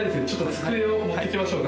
机を持ってきましょうか。